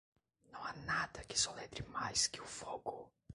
Não há nada que soletre mais que o fogo.